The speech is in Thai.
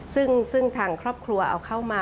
ซึ่งทางครอบครัวเอาเข้ามา